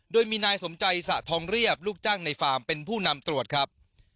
โดยมีนายสมใจสะทองเรียบลูกจ้างในฟาร์มเป็นผู้นำตรวจครับ